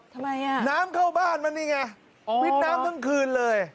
ทำไมอ่ะน้ำเข้าบ้านมันนี่ไงวิทย์น้ำทั้งคืนเลย